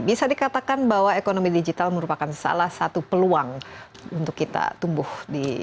bisa dikatakan bahwa ekonomi digital merupakan salah satu peluang untuk kita tumbuh di tahun depan di indonesia